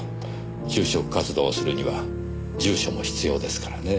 就職活動をするには住所も必要ですからね。